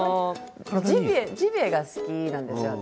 ジビエが好きなんです私。